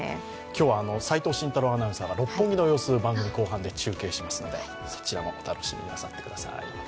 今日は齋藤慎太郎アナウンサーが六本木の様子を番組後半で中継しますので、そちらもお楽しみになさってください。